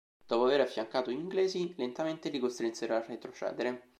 Dopo aver affiancato gli inglesi, lentamente li costrinsero a retrocedere.